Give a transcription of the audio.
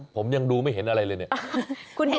ผมยังดูไม่เห็นอะไรเลยเนี่ย